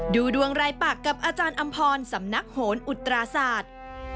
ดูดวงรายปากกับอาจารย์อำพรสำนักโหนอุตราศาสตร์